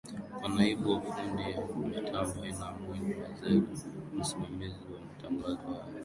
kwa niaba ya fundi mitambo enamuel muzari msimamizi wa matangazo haya